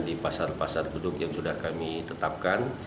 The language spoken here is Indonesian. di pasar pasar beduk yang sudah kami tetapkan